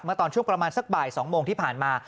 ตอนช่วงประมาณสักบ่าย๒โมงที่ผ่านมา